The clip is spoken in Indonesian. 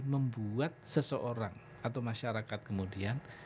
membuat seseorang atau masyarakat kemudian